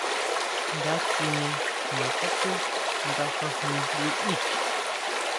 Nda chine jña katú nga jajín liʼí.